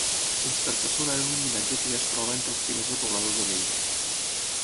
Els Carcassona eren un llinatge que ja es troba entre els primers repobladors de Lleida.